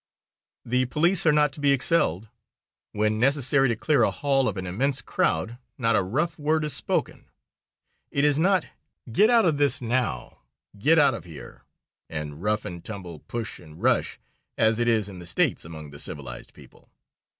The police are not to be excelled. When necessary to clear a hall of an immense crowd, not a rough word is spoken. It is not: "Get out of this, now;" "Get out of here," and rough and tumble, push and rush, as it is in the States among the civilized people.